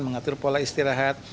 mengatur pola istirahat